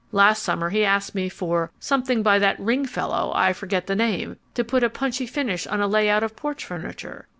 Last summer he asked me for "something by that Ring fellow, I forget the name," to put a punchy finish on a layout of porch furniture.